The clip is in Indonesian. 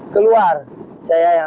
keluar saya yang